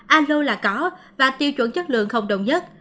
alo là có và tiêu chuẩn chất lượng không đồng nhất